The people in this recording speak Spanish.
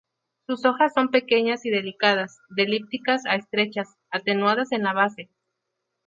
Sus hojas son pequeñas y delicadas, de elípticas a estrechas, atenuadas en la base.